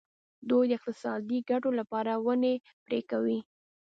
دوی د اقتصادي ګټو لپاره ونې پرې کوي.